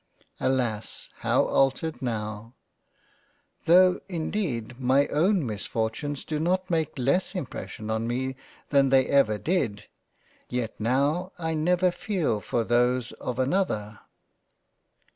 Alas ! how altered now ! Tho' indeed my own Misfortunes do not make less impression on me than they ever did, yet now I never feel for those of an other.